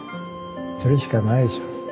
それしかないでしょ。